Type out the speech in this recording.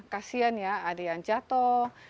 kasian ya ada yang jatuh